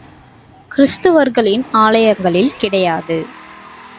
கிறித்துவர்களின் ஆலயங்களில் கிடையாது.